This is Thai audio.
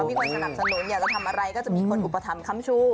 มีคนสนับสนุนอยากจะทำอะไรก็จะมีคนอุปถัมภัมชู